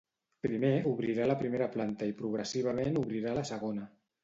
Primer obrirà la primera planta i progressivament obrirà la segona.